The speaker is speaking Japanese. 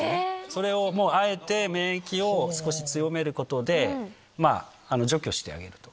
それをもう、あえて免疫を少し強めることで、除去してあげると。